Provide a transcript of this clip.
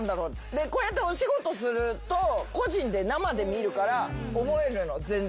でこうやってお仕事すると個人で生で見るから覚えるの全然。